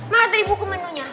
mana tadi buku menunya